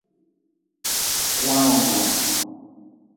Wawrgu.